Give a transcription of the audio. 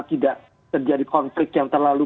tidak terjadi konflik yang terlalu